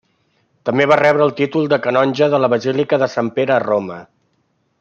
També va rebre el títol de canonge de la basílica de Sant Pere a Roma.